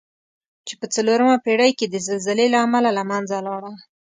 چې په څلورمه پېړۍ کې د زلزلې له امله له منځه لاړه.